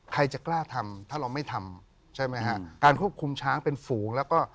ใครจะกล้าทำถ้าเราไม่ทำใช่ไหมฮะการควบคุมช้างเป็นฝูงแล้วก็